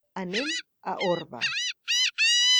Anem a Orba.